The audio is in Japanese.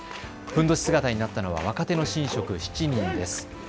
ふんどし姿になったのは若手の神職７人です。